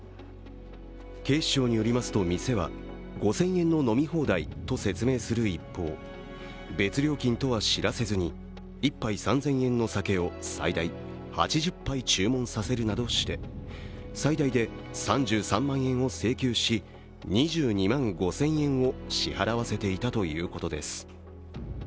警視庁によりますと店は５０００円の飲み放題と説明する一方、別料金とは知らせずに１杯３０００円の酒を最大８０杯注文させるなどして、最大で３３万円を請求し、２２万５０００円を支払わせていたということです。